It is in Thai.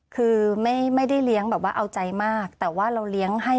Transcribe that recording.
คือไม่ได้เลี้ยงแบบว่าเอาใจมากแต่ว่าเราเลี้ยงให้